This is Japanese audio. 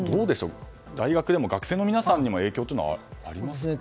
大学でも学生の皆さんにも影響というのはありますか？